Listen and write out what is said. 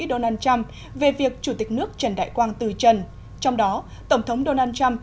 donald trump về việc chủ tịch nước trần đại quang từ trần trong đó tổng thống donald trump